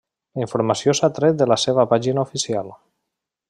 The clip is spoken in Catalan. La informació s'ha tret de la seva pàgina oficial.